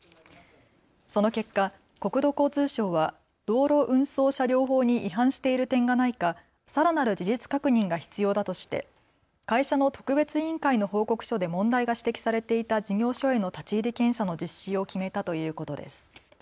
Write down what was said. その結果、国土交通省は道路運送車両法に違反している点がないかさらなる事実確認が必要だとして会社の特別委員会の報告書で問題が指摘されていた事業所への立ち入り検査の実施を決めたということです。